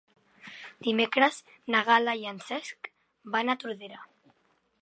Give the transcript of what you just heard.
Dimecres na Gal·la i en Cesc van a Tordera.